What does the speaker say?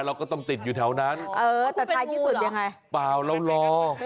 เราก็ต้องติดอยู่แถวนั้นเออแต่ท้ายที่สุดยังไงเปล่าเรารอ